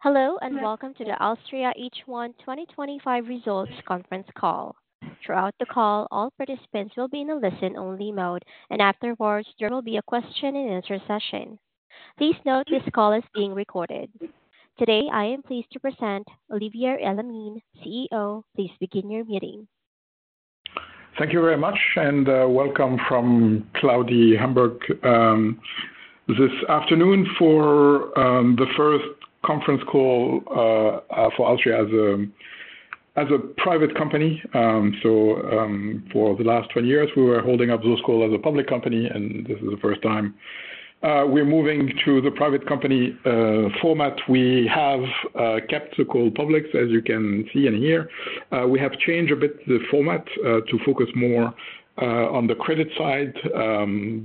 Hello and welcome to the Alstria H1 2025 Results Conference Call. Throughout the call, all participants will be in a listen-only mode, and afterwards, there will be a question and answer session. Please note this call is being recorded. Today, I am pleased to present Olivier Elamine, CEO. Please begin your meeting. Thank you very much, and welcome from cloudy Hamburg this afternoon for the First Conference Call for Alstria as a private company. For the last 20 years, we were holding up those calls as a public company, and this is the first time we're moving to the private company format. We have kept the call public, as you can see and hear. We have changed a bit the format to focus more on the credit side,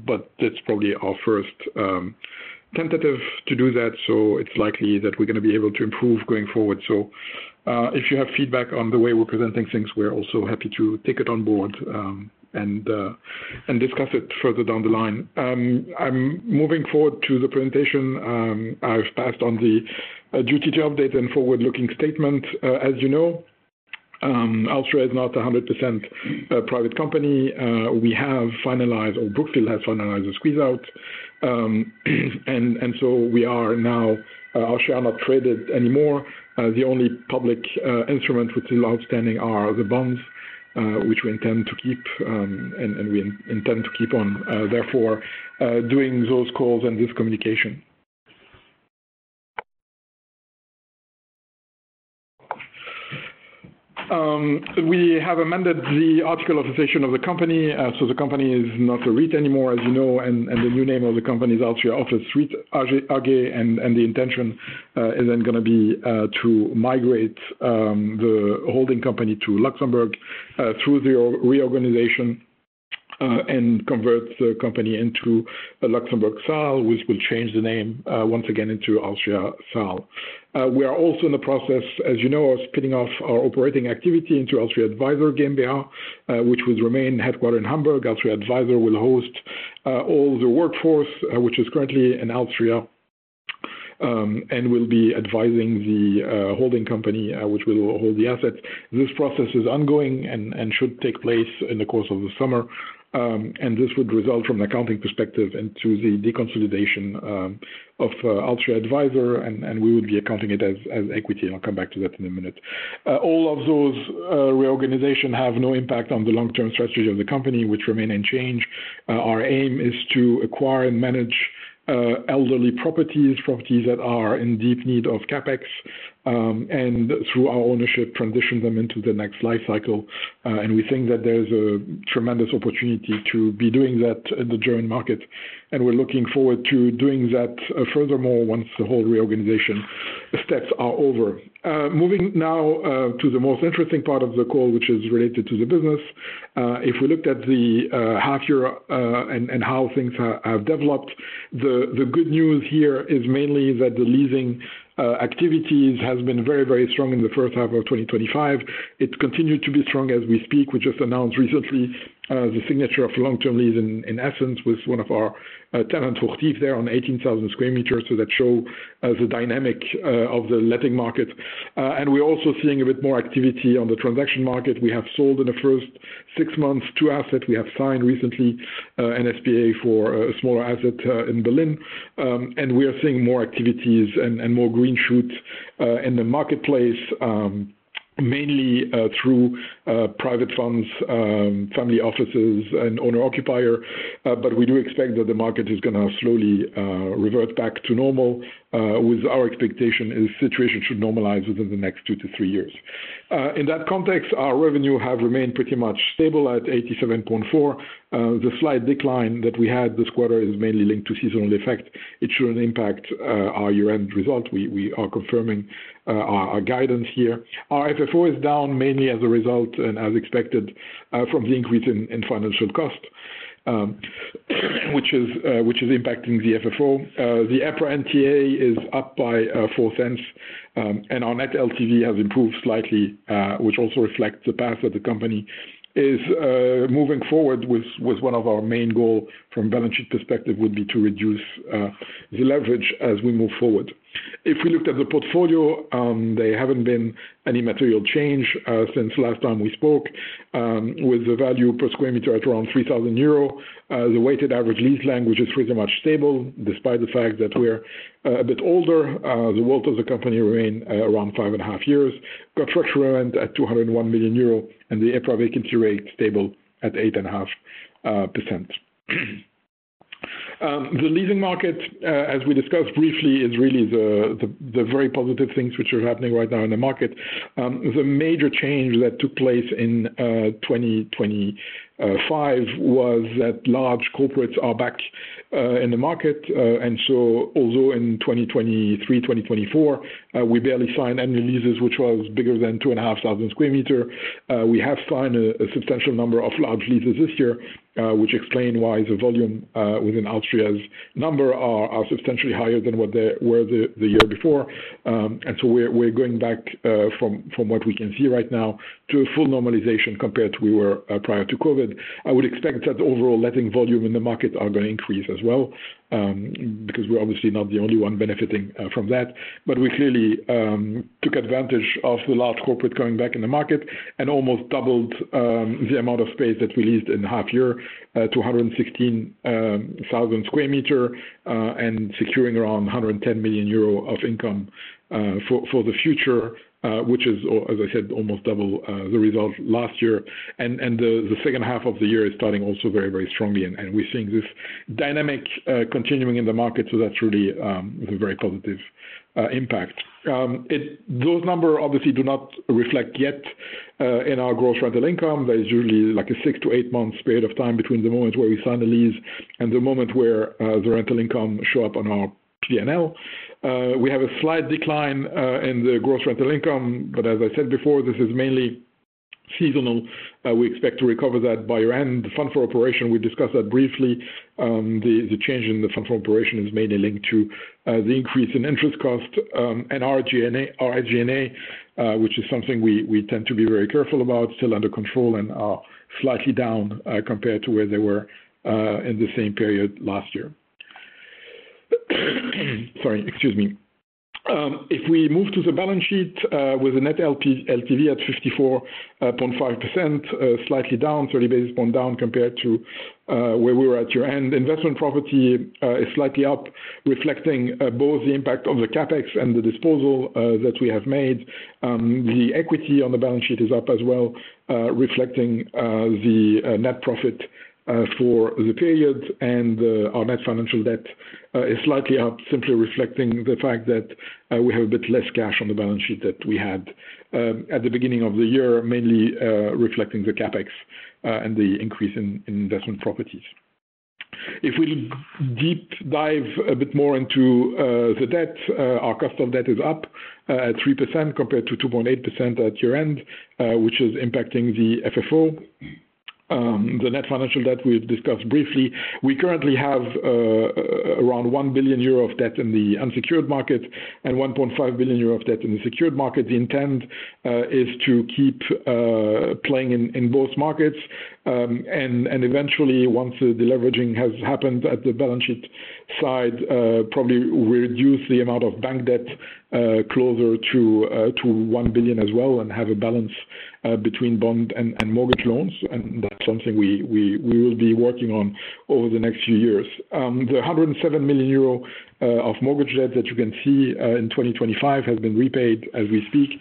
but it's probably our first tentative to do that, so it's likely that we're going to be able to improve going forward. If you have feedback on the way we're presenting things, we're also happy to take it on board and discuss it further down the line. I'm moving forward to the presentation. I've passed on the duty to update and forward-looking statement. As you know, Alstria is now a 100% private company. We have finalized, or Brookfield has finalized a squeeze-out, and so we are now, Alstria are not traded anymore. The only public instruments which are still outstanding are the bonds, which we intend to keep, and we intend to keep on, therefore, doing those calls and this communication. We have amended the articles of association of the company, so the company is not a REIT anymore, as you know, and the new name of the company is alstria office REIT-AG, and the intention is then going to be to migrate the holding company to Luxembourg through the reorganization and convert the company into a Luxembourg S.A., which will change the name once again into Alstria S.A. We are also in the process, as you know, of spinning off our operating activity into alstria advisors GmbH, which will remain headquartered in Hamburg. Alstria advisor will host all the workforce, which is currently in Alstria and will be advising the holding company, which will hold the assets. This process is ongoing and should take place in the course of the summer, and this would result, from an accounting perspective, into the deconsolidation of Alstria advisor, and we would be accounting it as equity. I'll come back to that in a minute. All of those reorganizations have no impact on the long-term strategy of the company, which remains unchanged. Our aim is to acquire and manage elderly properties, properties that are in deep need of CapEx, and through our ownership, transition them into the next life cycle. We think that there's a tremendous opportunity to be doing that in the German market, and we're looking forward to doing that furthermore once the whole reorganization steps are over. Moving now to the most interesting part of the call, which is related to the business. If we looked at the half-year and how things have developed, the good news here is mainly that the leasing activities have been very, very strong in the first half of 2025. It continues to be strong as we speak. We just announced recently the signature of a long-term lease, in essence, with one of our tenants for TIF there on 18,000 square meters. That shows the dynamic of the letting market, and we're also seeing a bit more activity on the transaction market. We have sold in the first six months two assets. We have signed recently an SPA for a smaller asset in Berlin, and we are seeing more activities and more green shoots in the marketplace, mainly through private funds, family offices, and owner-occupier. We do expect that the market is going to slowly revert back to normal, with our expectation the situation should normalize within the next two to three years. In that context, our revenue has remained pretty much stable at 87.4 million. The slight decline that we had this quarter is mainly linked to seasonal effect. It shouldn't impact our year-end result. We are confirming our guidance here. Our FFO is down mainly as a result, and as expected, from the increase in financial cost, which is impacting the FFO. The EPRA NTA is up by 0.4, and our net LTV has improved slightly, which also reflects the path that the company is moving forward with. One of our main goals, from a balance sheet perspective, would be to reduce the leverage as we move forward. If we looked at the portfolio, there hasn't been any material change since last time we spoke, with the value per square meter at around 3,000 euro. The weighted average lease length, which is pretty much stable despite the fact that we're a bit older, the wealth of the company remains around five and a half years. The construction rent at 201 million euro, and the EPRA vacancy rate is stable at 8.5%. The leasing market, as we discussed briefly, is really the very positive things which are happening right now in the market. The major change that took place in 2025 was that large corporates are back in the market. Although in 2023, 2024, we barely signed annual leases which were bigger than 2,500 square meters, we have signed a substantial number of large leases this year, which explains why the volume within Alstria's number is substantially higher than what they were the year before. We're going back from what we can see right now to a full normalization compared to where we were prior to COVID. I would expect that overall letting volume in the market is going to increase as well because we're obviously not the only one benefiting from that. We clearly took advantage of the large corporate coming back in the market and almost doubled the amount of space that we leased in the half-year to 116,000 square meters and securing around 110 million euro of income for the future, which is, as I said, almost double the result last year. The second half of the year is starting also very, very strongly, and we're seeing this dynamic continuing in the market. That's really a very positive impact. Those numbers obviously do not reflect yet in our gross rental income. There's usually like a six to eight-month period of time between the moment where we sign the lease and the moment where the rental income shows up on our P&L. We have a slight decline in the gross rental income, but as I said before, this is mainly seasonal. We expect to recover that by year-end. The fund for operation, we discussed that briefly. The change in the fund for operation is mainly linked to the increase in interest costs and our SG&A, which is something we tend to be very careful about, still under control and are slightly down compared to where they were in the same period last year. Excuse me. If we move to the balance sheet with a net LTV at 54.5%, slightly down, 30 basis points down compared to where we were at year-end. Investment property is slightly up, reflecting both the impact of the CapEx and the disposal that we have made. The equity on the balance sheet is up as well, reflecting the net profit for the period, and our net financial debt is slightly up, simply reflecting the fact that we have a bit less cash on the balance sheet than we had at the beginning of the year, mainly reflecting the CapEx and the increase in investment properties. If we deep dive a bit more into the debt, our cost of debt is up at 3% compared to 2.8% at year-end, which is impacting the FFO. The net financial debt, we've discussed briefly, we currently have around 1 billion euro of debt in the unsecured market and 1.5 billion euro of debt in the secured market. The intent is to keep playing in both markets, and eventually, once the leveraging has happened at the balance sheet side, probably we reduce the amount of bank debt closer to 1 billion as well and have a balance between bond and mortgage loans. That's something we will be working on over the next few years. The 107 million euro of mortgage debt that you can see in 2025 has been repaid as we speak.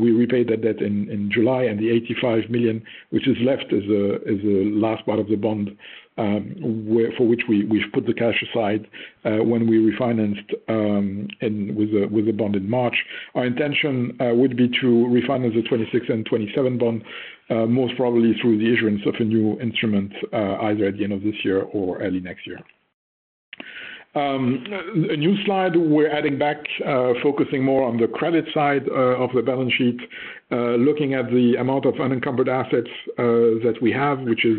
We repaid that debt in July and the 85 million, which is left as the last part of the bond for which we've put the cash aside when we refinanced with a bond in March. Our intention would be to refinance the 2026 and 2027 bond, most probably through the issuance of a new instrument either at the end of this year or early next year. A new slide we're adding back, focusing more on the credit side of the balance sheet, looking at the amount of unencumbered assets that we have, which is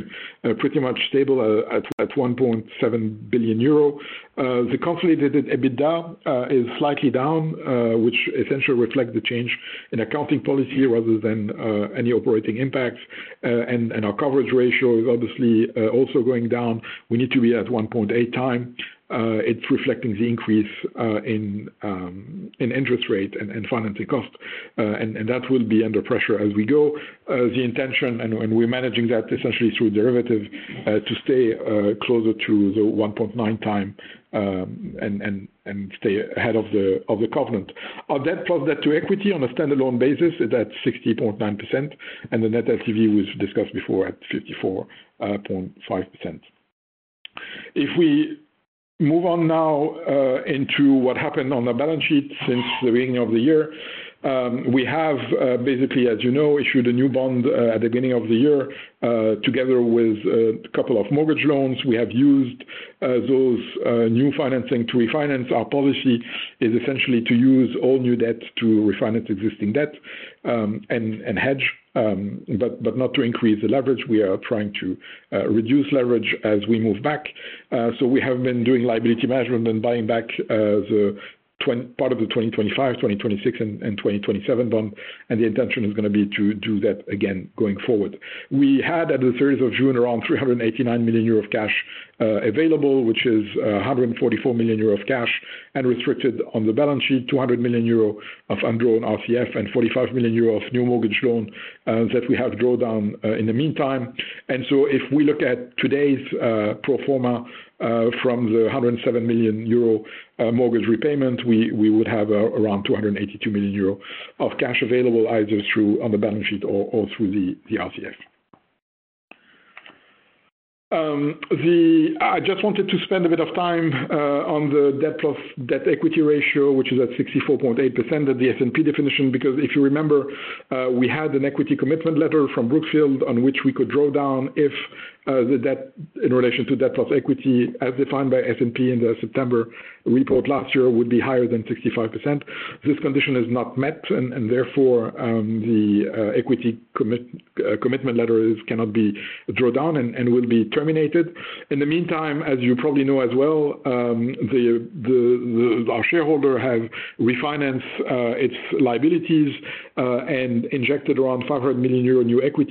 pretty much stable at 1.7 billion euro. The consolidated EBITDA is slightly down, which essentially reflects the change in accounting policy rather than any operating impacts. Our coverage ratio is obviously also going down. We need to be at 1.8x. It's reflecting the increase in interest rate and financing costs, and that will be under pressure as we go. The intention, and we're managing that essentially through derivatives, is to stay closer to the 1.9x and stay ahead of the covenant. Our debt plus debt to equity on a standalone basis is at 60.9%, and the net LTV, we've discussed before, at 54.5%. If we move on now into what happened on the balance sheet since the beginning of the year, we have basically, as you know, issued a new bond at the beginning of the year together with a couple of mortgage loans. We have used those new financing to refinance. Our policy is essentially to use all new debt to refinance existing debt and hedge, but not to increase the leverage. We are trying to reduce leverage as we move back. We have been doing liability management and buying back part of the 2025, 2026, and 2027 bond, and the intention is going to be to do that again going forward. We had, at the 30th of June, around 389 million euro of cash available, which is 144 million euro of cash, and restricted on the balance sheet 200 million euro of undrawn RCF and 45 million euro of new mortgage loans that we have drawn down in the meantime. If we look at today's pro forma from the 107 million euro mortgage repayment, we would have around 282 million euro of cash available either on the balance sheet or through the RCF. I just wanted to spend a bit of time on the debt plus debt equity ratio, which is at 64.8% at the S&P definition, because if you remember, we had an equity commitment letter from Brookfield on which we could draw down if the debt in relation to debt plus equity, as defined by S&P in the September report last year, would be higher than 65%. This condition is not met, and therefore, the equity commitment letter cannot be drawn down and will be terminated. In the meantime, as you probably know as well, our shareholder has refinanced its liabilities and injected around 500 million euro new equity.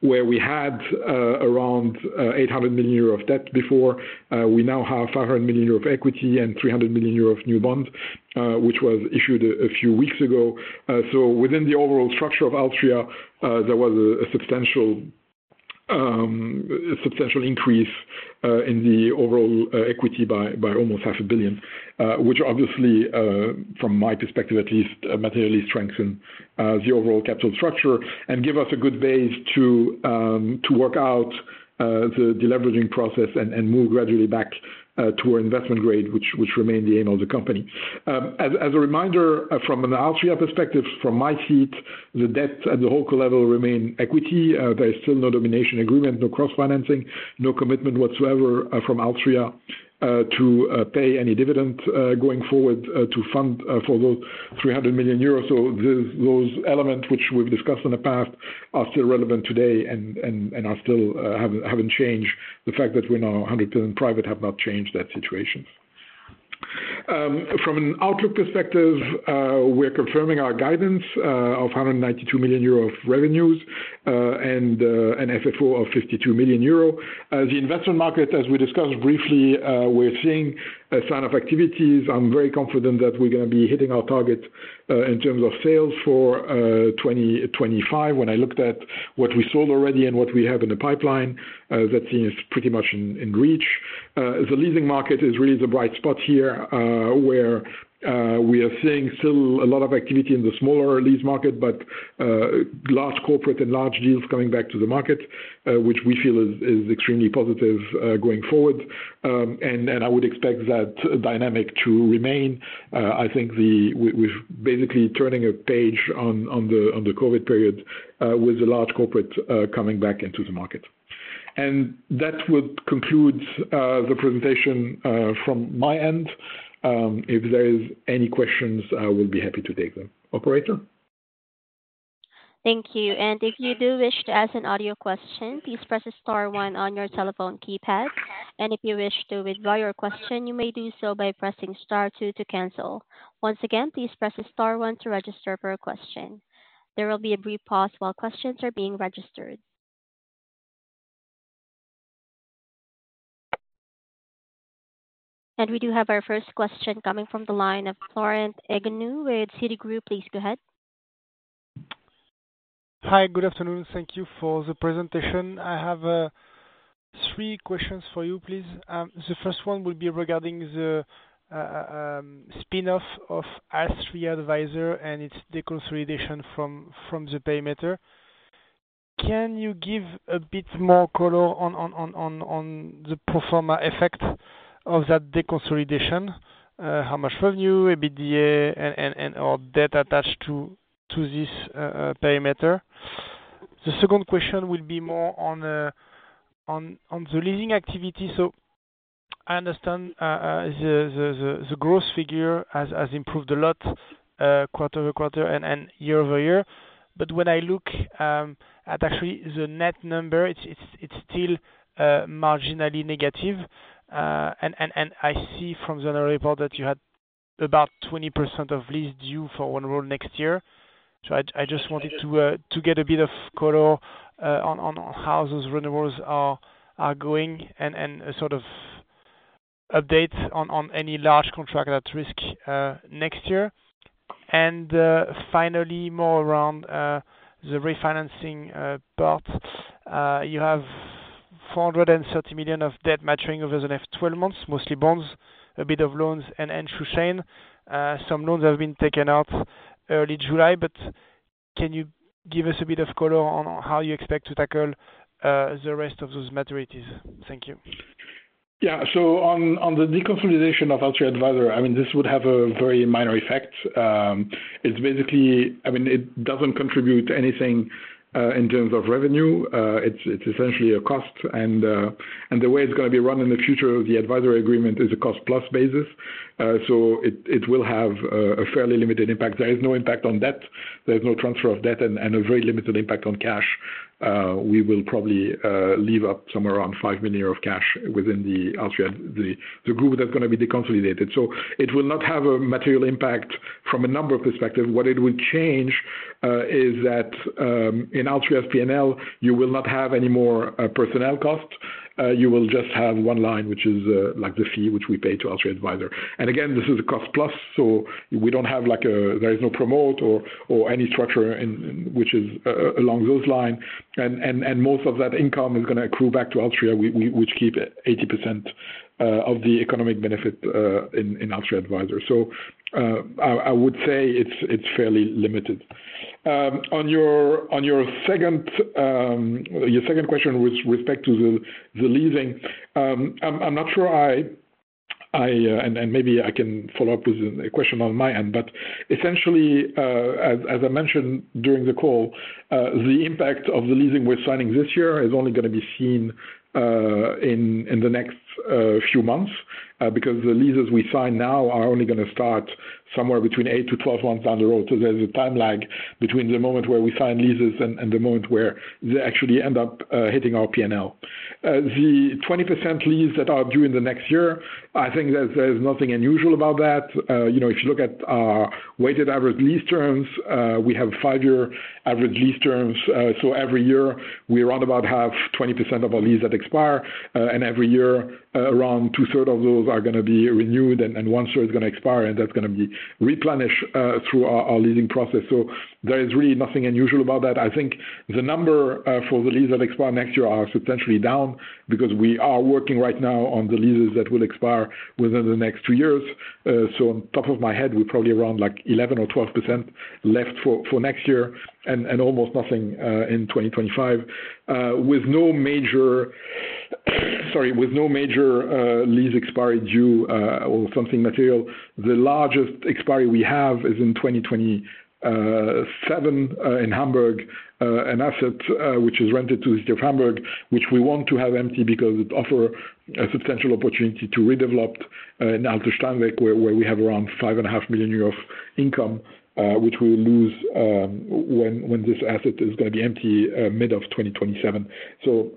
Where we had around 800 million euro of debt before, we now have 500 million euro of equity and 300 million euro of new bonds, which was issued a few weeks ago. Within the overall structure of Alstria, there was a substantial increase in the overall equity by almost 500 million, which obviously, from my perspective at least, materially strengthens the overall capital structure and gives us a good base to work out the leveraging process and move gradually back to our investment grade, which remains the aim of the company. As a reminder, from an Alstria perspective, from my seat, the debt at the whole core level remains equity. There is still no domination agreement, no cross-financing, no commitment whatsoever from Alstria to pay any dividend going forward to fund for those 300 million euros. Those elements, which we've discussed in the past, are still relevant today and have not changed. The fact that we're now 100% private has not changed that situation. From an outlook perspective, we're confirming our guidance of 192 million euro of revenues and an FFO of 52 million euro. The investment market, as we discussed briefly, we're seeing a sign of activities. I'm very confident that we're going to be hitting our target in terms of sales for 2025. When I looked at what we sold already and what we have in the pipeline, that seems pretty much in reach. The leasing market is really the bright spot here where we are seeing still a lot of activity in the smaller lease market, but large corporate and large deals coming back to the market, which we feel is extremely positive going forward. I would expect that dynamic to remain. I think we're basically turning a page on the COVID period with the large corporate coming back into the market. That would conclude the presentation from my end. If there are any questions, I will be happy to take them. Operator. Thank you. If you do wish to ask an audio question, please press star one on your telephone keypad. If you wish to withdraw your question, you may do so by pressing star two to cancel. Once again, please press star one to register for a question. There will be a brief pause while questions are being registered. We do have our first question coming from the line of Florent Egonneau with Citigroup. Please go ahead. Hi. Good afternoon. Thank you for the presentation. I have three questions for you, please. The first one will be regarding the spin-off of Alstria advisor and its deconsolidation from the perimeter. Can you give a bit more color on the pro forma effect of that deconsolidation? How much revenue, EBITDA, and/or debt attached to this perimeter? The second question will be more on the leasing activity. I understand the gross figure has improved a lot quarter over quarter and year over year. When I look at actually the net number, it's still marginally negative. I see from the analytic part that you had about 20% of leases due for renewal next year. I just wanted to get a bit of color on how those renewals are going and updates on any large contracts at risk next year. Finally, more around the refinancing part. You have 430 million of debt maturing over the next 12 months, mostly bonds, a bit of loans, and Schuldschein. Some loans have been taken out early July. Can you give us a bit of color on how you expect to tackle the rest of those maturities? Thank you. Yeah. On the deconsolidation of Alstria advisor, this would have a very minor effect. It's basically, I mean, it doesn't contribute to anything in terms of revenue. It's essentially a cost. The way it's going to be run in the future, the advisory agreement is a cost-plus basis. It will have a fairly limited impact. There is no impact on debt. There's no transfer of debt and a very limited impact on cash. We will probably leave up somewhere around 5 million of cash within Alstria, the group that's going to be deconsolidated. It will not have a material impact from a number perspective. What it will change is that in Alstria's P&L, you will not have any more personnel costs. You will just have one line, which is like the fee which we pay to Alstria advisor. Again, this is a cost-plus. We don't have, like, there is no promote or any structure which is along those lines. Most of that income is going to accrue back to Alstria, which keeps 80% of the economic benefit in Alstria advisor. I would say it's fairly limited. On your second question with respect to the leasing, I'm not sure I, and maybe I can follow up with a question on my end. Essentially, as I mentioned during the call, the impact of the leasing we're signing this year is only going to be seen in the next few months because the leases we sign now are only going to start somewhere between 8 to 12 months down the road. There's a time lag between the moment where we sign leases and the moment where they actually end up hitting our P&L. The 20% lease that are due in the next year, I think there's nothing unusual about that. If you look at our weighted average lease terms, we have five-year average lease terms. Every year, we round about half, 20% of our lease that expire, and every year, around two-thirds of those are going to be renewed, and one-third is going to expire, and that's going to be replenished through our leasing process. There is really nothing unusual about that. I think the number for the lease that expire next year are substantially down because we are working right now on the leases that will expire within the next two years. On top of my head, we're probably around like 11% or 12% left for next year and almost nothing in 2025. With no major lease expiry due or something material, the largest expiry we have is in 2027 in Hamburg, an asset which is rented to the city of Hamburg, which we want to have empty because it offers a substantial opportunity to redevelop in Alter Steinweg, where we have around 5.5 million euros of income, which we will lose when this asset is going to be empty mid of 2027.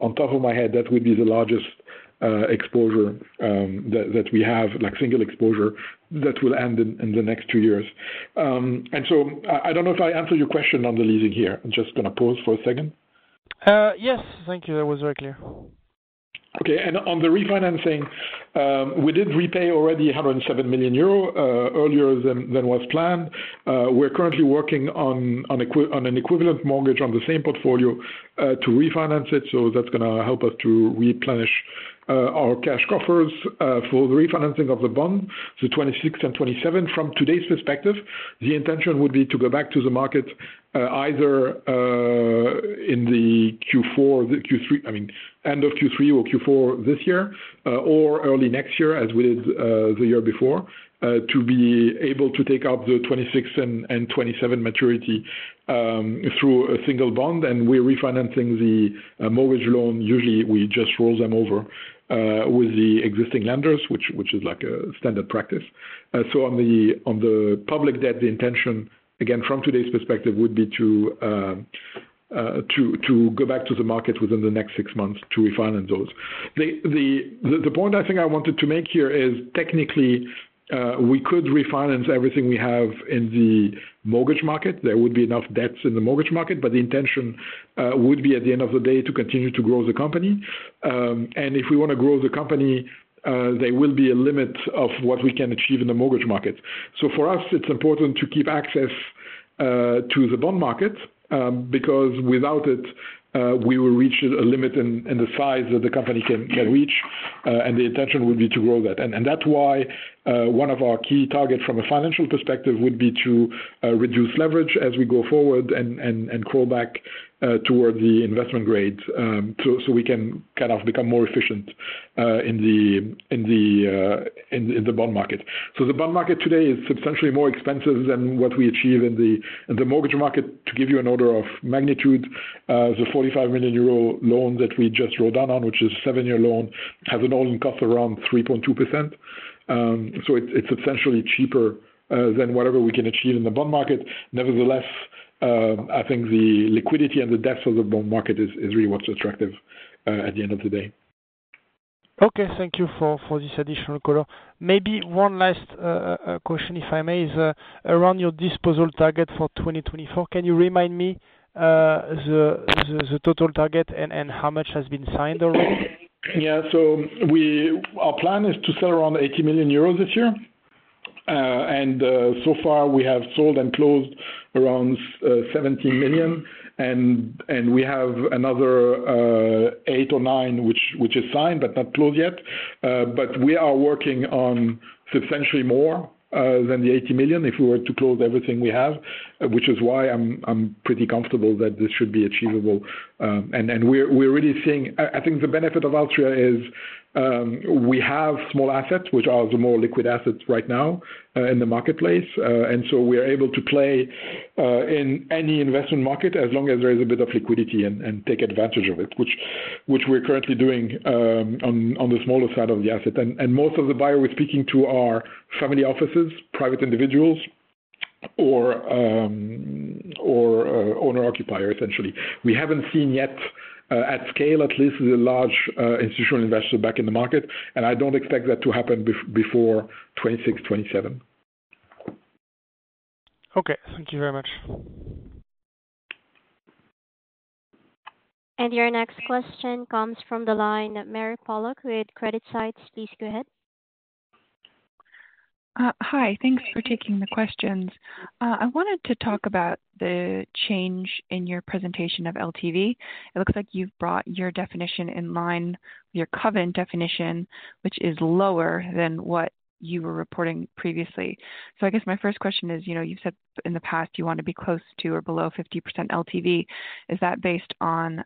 On top of my head, that would be the largest exposure that we have, like single exposure that will end in the next two years. I don't know if I answered your question on the leasing here. I'm just going to pause for a second. Yes, thank you. That was very clear. Okay. On the refinancing, we did repay already 107 million euro earlier than was planned. We're currently working on an equivalent mortgage on the same portfolio to refinance it. That's going to help us to replenish our cash coffers for the refinancing of the bond, the 2026 and 2027. From today's perspective, the intention would be to go back to the market either in Q4 or Q3, I mean, end of Q3 or Q4 this year, or early next year, as we did the year before, to be able to take up the 2026 and 2027 maturity through a single bond. We're refinancing the mortgage loan. Usually, we just roll them over with the existing lenders, which is a standard practice. On the public debt, the intention, again, from today's perspective, would be to go back to the market within the next six months to refinance those. The point I wanted to make here is, technically, we could refinance everything we have in the mortgage market. There would be enough debts in the mortgage market, but the intention would be, at the end of the day, to continue to grow the company. If we want to grow the company, there will be a limit of what we can achieve in the mortgage market. For us, it's important to keep access to the bond market because without it, we will reach a limit in the size that the company can reach, and the intention would be to grow that. That's why one of our key targets from a financial perspective would be to reduce leverage as we go forward and crawl back toward the investment grade so we can kind of become more efficient in the bond market. The bond market today is substantially more expensive than what we achieve in the mortgage market. To give you an order of magnitude, the 45 million euro loan that we just draw down on, which is a seven-year loan, has an all-in cost of around 3.2%. It's substantially cheaper than whatever we can achieve in the bond market. Nevertheless, the liquidity and the depth of the bond market is really what's attractive at the end of the day. Okay. Thank you for this additional color. Maybe one last question, if I may, is around your disposal target for 2024. Can you remind me the total target and how much has been signed already? Yeah. Our plan is to sell around 80 million euros this year. So far, we have sold and closed around 17 million, and we have another eight or nine which are signed but not closed yet. We are working on substantially more than the 80 million if we were to close everything we have, which is why I'm pretty comfortable that this should be achievable. We're really seeing, I think the benefit of Alstria is we have small assets, which are the more liquid assets right now in the marketplace. We're able to play in any investment market as long as there is a bit of liquidity and take advantage of it, which we're currently doing on the smaller side of the asset. Most of the buyers we're speaking to are family offices, private individuals, or owner-occupier, essentially. We haven't seen yet, at scale at least, the large institutional investors back in the market. I don't expect that to happen before 2026, 2027. Okay, thank you very much. Your next question comes from the line of Mary Pollock with CreditSights. Please go ahead. Hi. Thanks for taking the questions. I wanted to talk about the change in your presentation of LTV. It looks like you've brought your definition in line, your covenant definition, which is lower than what you were reporting previously. I guess my first question is, you've said in the past you want to be close to or below 50% LTV. Is that based on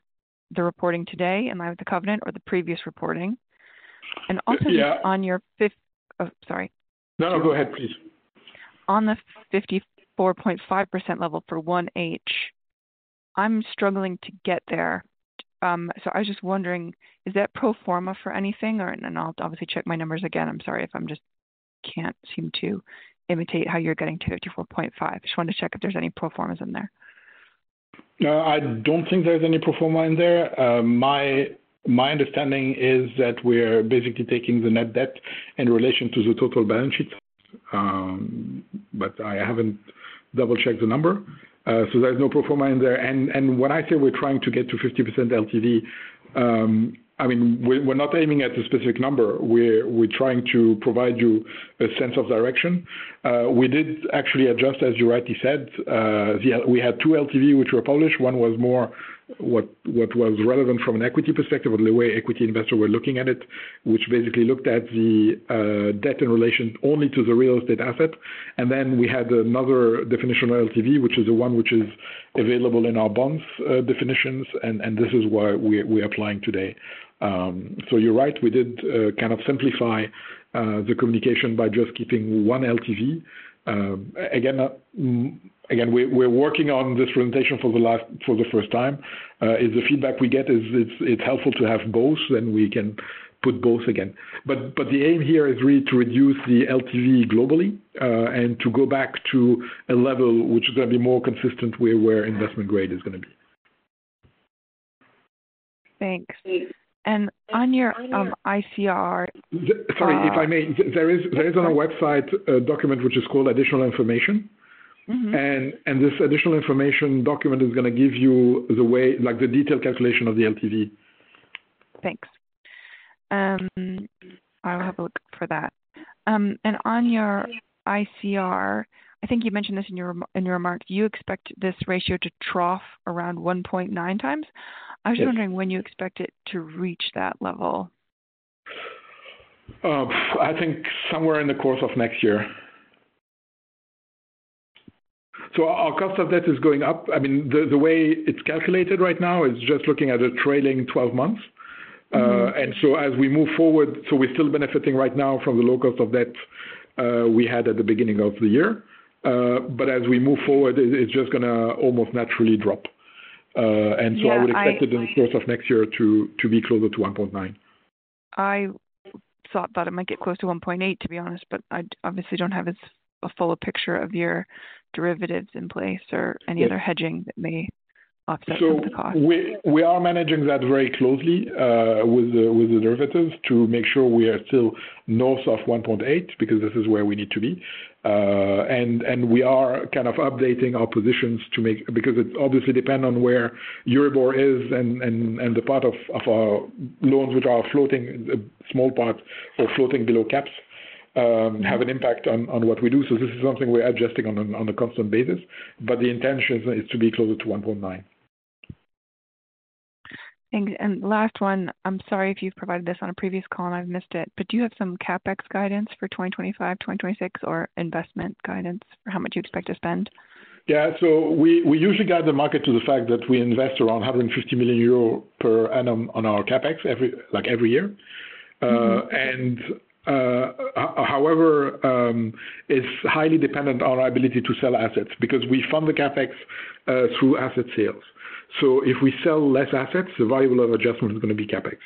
the reporting today in line with the covenant or the previous reporting? Also, on your fifth, oh, sorry. No, go ahead, please. On the 54.5% level for 1H, I'm struggling to get there. I was just wondering, is that pro forma for anything? I'll obviously check my numbers again. I'm sorry if I just can't seem to imitate how you're getting to 54.5%. I just wanted to check if there's any pro formas in there. I don't think there's any pro forma in there. My understanding is that we're basically taking the net debt in relation to the total balance sheet, but I haven't double-checked the number. There's no pro forma in there. When I say we're trying to get to 50% LTV, I mean we're not aiming at a specific number. We're trying to provide you a sense of direction. We did actually adjust, as you rightly said. We had two LTV which were published. One was more what was relevant from an equity perspective of the way equity investors were looking at it, which basically looked at the debt in relation only to the real estate assets. We had another definition of LTV, which is the one which is available in our bonds definitions, and this is what we're applying today. You're right. We did kind of simplify the communication by just keeping one LTV. We're working on this presentation for the first time. If the feedback we get is it's helpful to have both, then we can put both again. The aim here is really to reduce the LTV globally and to go back to a level which is going to be more consistent with where investment grade is going to be. Thanks. On your ICR. Sorry, if I may, there is on our website a document which is called Additional Information. This Additional Information document is going to give you the way, like the detailed calculation of the LTV. Thanks. I'll have a look for that. On your ICR, I think you mentioned this in your remark, you expect this ratio to trough around 1.9X. I was just wondering when you expect it to reach that level. I think somewhere in the course of next year. Our cost of debt is going up. The way it's calculated right now is just looking at the trailing 12 months. As we move forward, we're still benefiting right now from the low cost of debt we had at the beginning of the year. As we move forward, it's just going to almost naturally drop. I would expect it in the course of next year to be closer to 1.9. I thought that it might get close to 1.8, to be honest, but I obviously don't have a fuller picture of your derivatives in place or any other hedging that may offset the cost. We are managing that very closely with the derivatives to make sure we are still North of 1.8 because this is where we need to be. We are kind of updating our positions to make, because it obviously depends on where Euribor is and the part of our loans which are floating, a small part of floating below caps, have an impact on what we do. This is something we're adjusting on a constant basis. The intention is to be closer to 1.9. Thanks. Last one, I'm sorry if you've provided this on a previous call and I've missed it, but do you have some CapEx guidance for 2025, 2026, or investment guidance for how much you expect to spend? Yeah. We usually guide the market to the fact that we invest around 150 million euro per annum on our CapEx every year. However, it's highly dependent on our ability to sell assets because we fund the CapEx through asset sales. If we sell less assets, the variable of adjustment is going to be CapEx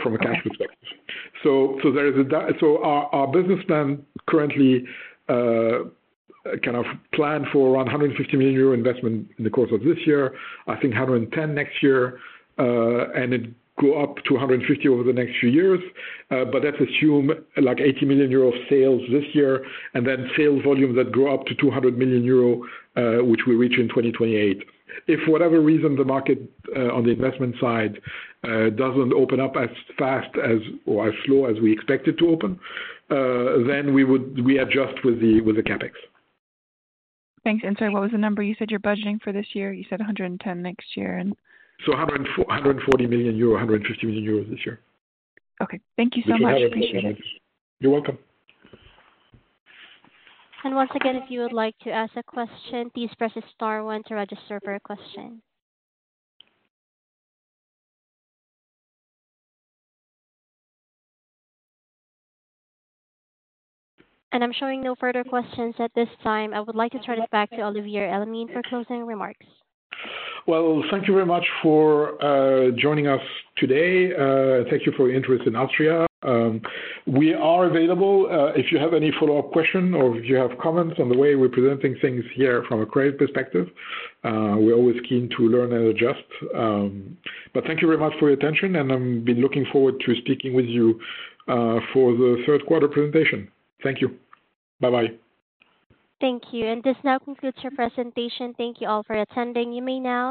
from a cash perspective. Our business plan currently kind of planned for around 150 million euro investment in the course of this year, I think 110 million next year, and it goes up to 150 million over the next few years. Let's assume like 80 million euro sales this year and then sales volumes that grow up to 200 million euro, which we reach in 2028. If for whatever reason the market on the investment side doesn't open up as fast or as slow as we expect it to open, we adjust with the CapEx. Thanks. Sorry, what was the number you said you're budgeting for this year? You said 110 next year. 140 million euro, 150 million euro this year. Okay, thank you so much. Appreciate it. You're welcome. If you would like to ask a question, please press star one to register for a question. I'm showing no further questions at this time. I would like to turn it back to Olivier Elamine for closing remarks. Thank you very much for joining us today. Thank you for your interest in Alstria. We are available if you have any follow-up questions or if you have comments on the way we're presenting things here from a credit perspective. We're always keen to learn and adjust. Thank you very much for your attention, and I've been looking forward to speaking with you for the Third Quarter presentation. Thank you. Bye-bye. Thank you. This now concludes your presentation. Thank you all for attending. You may now.